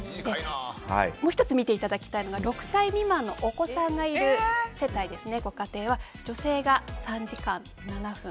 もう１つ見ていただきたいのは６歳未満のお子さんがいるご家庭は女性が３時間７分。